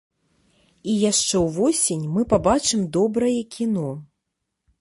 І яшчэ ўвосень мы пабачым добрае кіно.